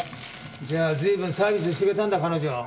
じゃあ随分サービスしてくれたんだ彼女。